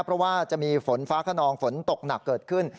เพราะว่าจะมีฝนฟ้าขนองฝนตกหนักเกิดขึ้น